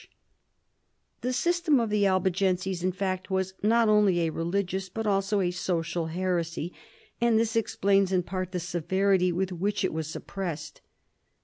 The system of the Albigenses in fact was " not only a religious but also a social heresy, and this explains in part the severity with which it was suppressed."